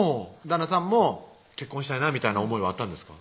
旦那さんも結婚したいなみたいな思いはあったんですか？